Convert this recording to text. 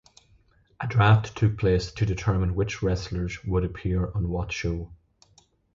A draft took place to determine which wrestlers would appear on what show.